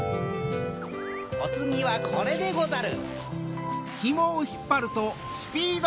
・おつぎはこれでござる。